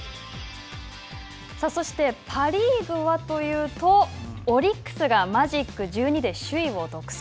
そしてパ・リーグはというと、オリックスがマジック１２で首位を独走。